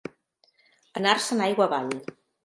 Anar-se'n aigua avall.